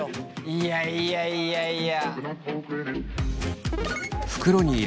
いやいやいやいや。